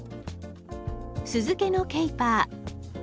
酢漬けのケイパー。